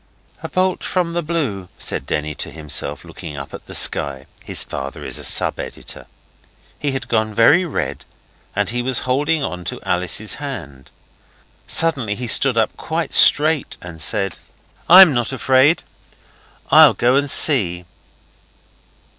'A bolt from the blue,' said Denny to himself, looking up at the sky. His father is a sub editor. He had gone very red, and he was holding on to Alice's hand. Suddenly he stood up quite straight and said 'I'm not afraid. I'll go and see.